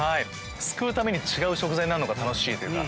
すくうたび違う食材になるのが楽しいというか。